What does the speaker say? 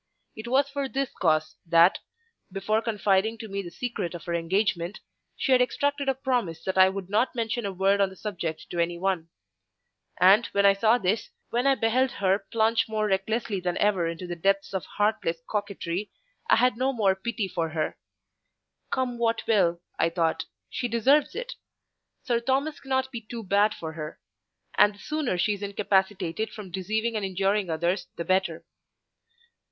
It was for this cause that, before confiding to me the secret of her engagement, she had extracted a promise that I would not mention a word on the subject to any one. And when I saw this, and when I beheld her plunge more recklessly than ever into the depths of heartless coquetry, I had no more pity for her. "Come what will," I thought, "she deserves it. Sir Thomas cannot be too bad for her; and the sooner she is incapacitated from deceiving and injuring others the better."